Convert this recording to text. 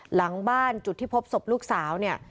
หลังบ้านจุดที่พบศพลูกสาวเนี่ย